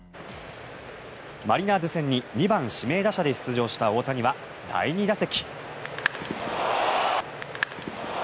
マリナーズ戦に２番指名打者で出場した大谷は第２打席。